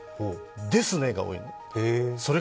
「ですね」が多いの。